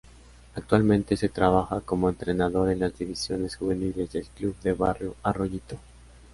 Actualmente se trabaja como entrenador en las divisiones juveniles del club de Barrio Arroyito.